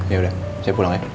ya udah saya pulang aja